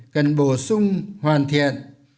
cần bổ sung hoàn thiện